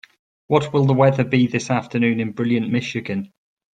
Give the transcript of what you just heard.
What will the weather be this Afternoon in Brilliant Michigan?